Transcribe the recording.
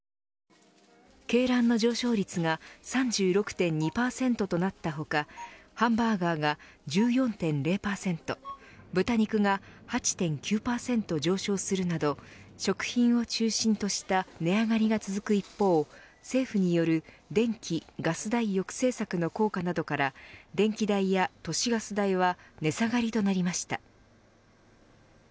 鶏卵の上昇率が３６．２％となった他ハンバーガーが１４．０％豚肉が８．９％上昇するなど食品を中心とした値上がりが続く一方政府による電気・ガス代抑制策の効果などから電気代や都市ガス代は値下がりとなりました。